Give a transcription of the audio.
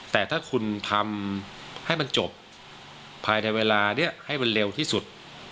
แต่ถ้าคุณทำให้มันจบภายในเวลานี้ให้มันเร็วที่สุด